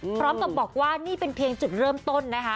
พร้อมกับบอกว่านี่เป็นเพียงจุดเริ่มต้นนะคะ